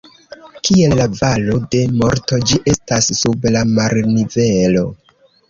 Kiel la Valo de Morto, ĝi estas sub la marnivelo.